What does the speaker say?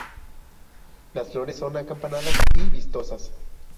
Las flores son acampanadas y vistosas.